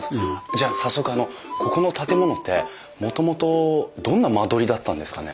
じゃあ早速あのここの建物ってもともとどんな間取りだったんですかね？